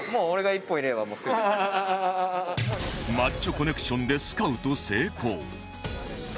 マッチョコネクションでスカウト成功